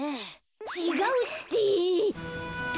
ちがうって！